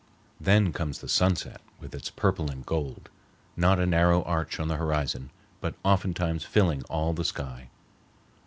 Then comes the sunset with its purple and gold, not a narrow arch on the horizon, but oftentimes filling all the sky.